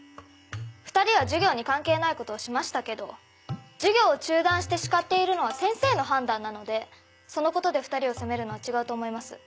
２人は授業に関係ないことをしましたけど授業を中断して叱っているのは先生の判断なのでそのことで２人を責めるのは違うと思います。